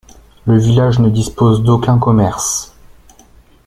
Le village ne dispose d'aucun commerce.